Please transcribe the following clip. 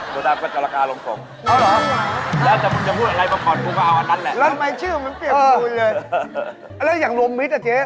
ตัวดำก็จรกาลงสงแล้วจะพูดอะไรขนมก็เอาอันนั้นหน่อย